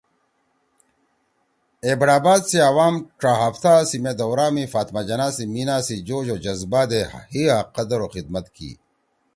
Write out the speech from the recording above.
ایبٹ آباد سی عوام ڇا ہفتا سی مے دورا می فاطمہ جناح سی میِنا سی جوش او جزبہ دے حیِا قدر او خدمت کی